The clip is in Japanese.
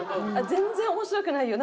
「全然面白くないよ」。